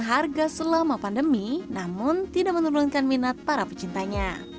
harga selama pandemi namun tidak menurunkan minat para pecintanya